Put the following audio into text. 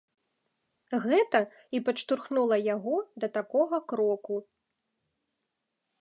Гэта і падштурхнула яго да такога кроку.